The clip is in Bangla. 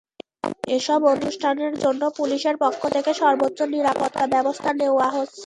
এসব অনুষ্ঠানের জন্য পুলিশের পক্ষ থেকে সর্বোচ্চ নিরাপত্তা ব্যবস্থা নেওয়া হচ্ছে।